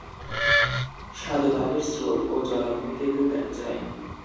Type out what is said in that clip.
স্বাদুপানির স্রোত ও জলাভূমিতে এদের দেখা যায়।